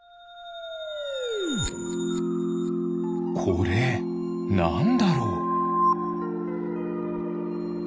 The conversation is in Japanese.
これなんだろう。